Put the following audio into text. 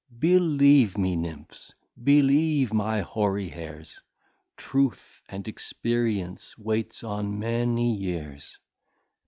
Believe me Nymphs, believe my hoary hairs, Truth and Experience waits on many years.